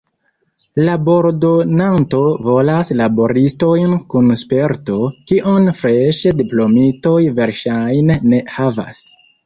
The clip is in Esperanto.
Labordonanto volas laboristojn kun sperto, kiun freŝe diplomitoj verŝajne ne havas.